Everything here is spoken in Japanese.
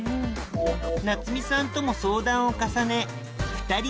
夏水さんとも相談を重ね